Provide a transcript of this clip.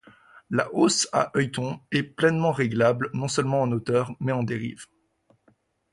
La hausse à œilleton est pleinement réglable non seulement en hauteur mais en dérive.